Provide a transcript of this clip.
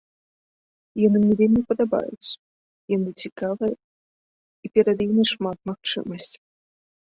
Яны мне вельмі падабаюцца, яны цікавыя і перад імі шмат магчымасцяў.